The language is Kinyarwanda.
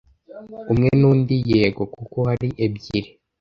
Umwe, n'undi, yego, kuko hari ebyiri.